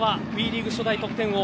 ＷＥリーグ初代得点王。